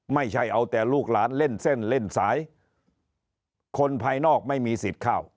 ไม่ใช่เอาแต่ลูกหลานเล่นเส้นเล่นสายคนภายนอกไม่มีสิทธิ์เข้า